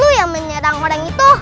itu kamu yang menyerang orang itu